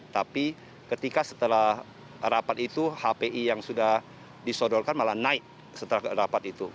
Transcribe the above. tapi ketika setelah rapat itu hpi yang sudah disodorkan malah naik setelah rapat itu